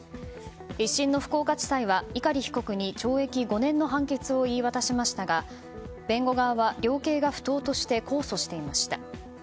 １審の福岡地裁は碇被告に懲役５年の判決を言い渡しましたが、弁護側は量刑が不当として控訴していました。